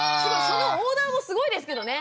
そのオーダーもすごいですけどね。